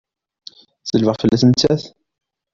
Selbeɣ fell-as nettat!